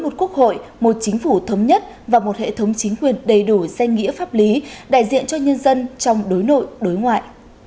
một quốc hội một chính phủ thống nhất và một hệ thống chính quyền đầy đủ danh nghĩa pháp lý đại diện cho nhân dân trong đối nội đối ngoại